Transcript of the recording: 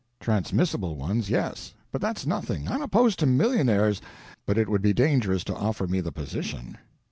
"Transmissible ones, yes. But that's nothing. I'm opposed to millionaires, but it would be dangerous to offer me the position."